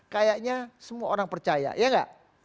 kayaknya semua orang percaya ya enggak